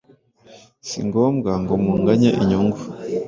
Si ngombwa ngo munganye inyungu